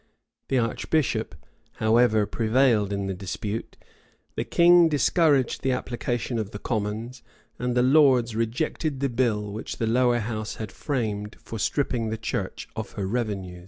The archbishop, however, prevailed in the dispute; the king discouraged the application of the commons; and the lords rejected the bill which the lower house had framed for stripping the church of her revenues.